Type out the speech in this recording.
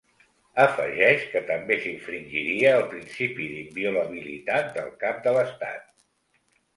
Afegeix que també s’infringiria el principi d’inviolabilitat del cap de l’estat.